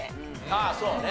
ああそうね。